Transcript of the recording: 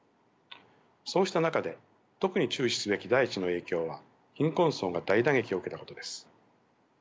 そうした中で特に注視すべき第１の影響は貧困層が大打撃を受けたことです。